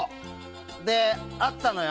で、あったのよ